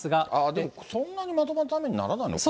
でもそんなにまとまった雨にならないのかな。